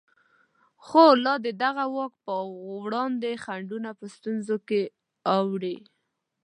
خو لا د دغه واک په وړاندې خنډونه په ستونزو کې اوړي.